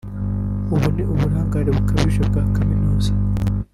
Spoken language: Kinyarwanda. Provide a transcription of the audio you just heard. Ubu ni uburangare bukabije bwa kaminuza